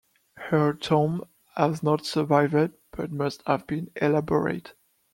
Her tomb has not survived but must have been elaborate.